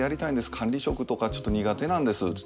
管理職とかちょっと苦手なんです。